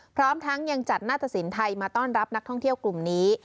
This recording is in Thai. พร้อมทั้งยังจัดหน้าตะสินไทยมาต้อนรับนักท่องเที่ยวกลุ่มนี้